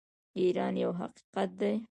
ایران یو حقیقت دی.